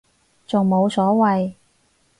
仲冇所謂